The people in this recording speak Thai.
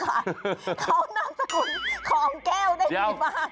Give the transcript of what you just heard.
เขานำสกุลของแก้วได้หรือเปล่า